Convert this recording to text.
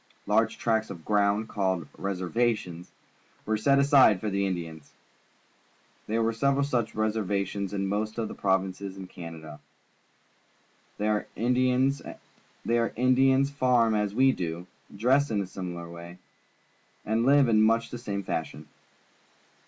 Large tracts of ground, called "reservations," were set aside for the Indians. There are several such reservations in most of the provinces of Canada. There the Indians farm as we do, dress in a similar way, and live in much the same fiishion.